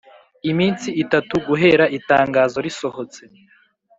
iminsi itatu guhera itangazo risohotse